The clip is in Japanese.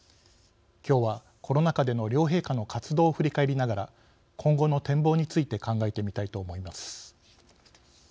今日はコロナ禍での両陛下の活動を振り返りながら今後の展望について考えてみたいと思います。